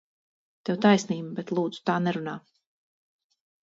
Tev taisnība, bet, lūdzu, tā nerunā!